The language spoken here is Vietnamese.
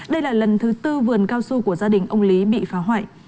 đây là lần thứ tư vườn cao su của gia đình ông lý bị phá hoại